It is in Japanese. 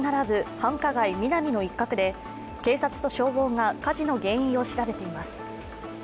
繁華街・ミナミの一角で警察と消防が火事の原因を調べています。